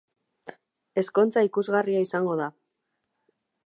Ezkontza ikusgarria izango da.